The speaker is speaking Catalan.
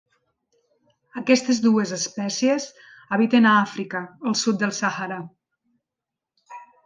Aquestes dues espècies habiten a Àfrica, al sud del Sàhara.